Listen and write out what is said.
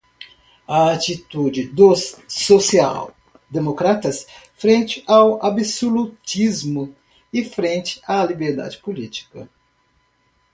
a atitude dos social-democratas frente ao absolutismo e frente à liberdade política